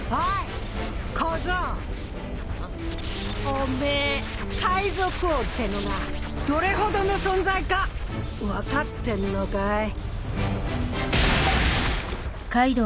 おめえ海賊王ってのがどれほどの存在か分かってんのかい？